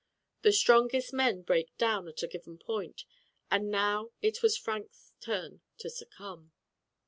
The strongest men break down at a given point, and now it was Frank's turn to succumb.